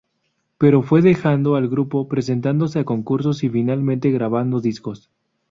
Pero fue dejando el grupo presentándose a concursos y finalmente grabando discos.